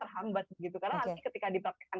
terhambat karena nanti ketika dipakai